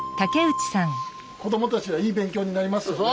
子どもたちはいい勉強になりますよね。